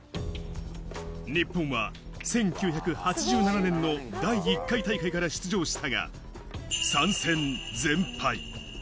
日本は１９８７年の第１回大会から出場したが、３戦全敗。